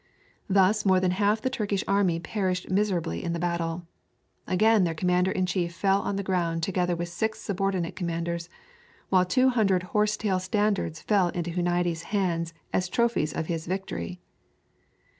Thus more than half the Turkish army perished miserably in the battle. Again their commander in chief fell on the field together with six subordinate commanders, while two hundred horse tail standards fell into Huniades' hands as trophies of his victory.